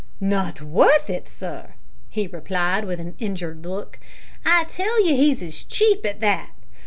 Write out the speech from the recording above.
"Not worth it, sir!" he replied, with an injured look; "I tell you he's cheap at that.